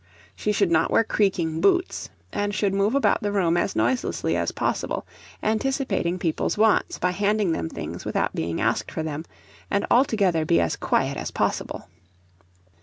She should not wear creaking boots, and should move about the room as noiselessly as possible, anticipating people's wants by handing them things without being asked for them, and altogether be as quiet as possible.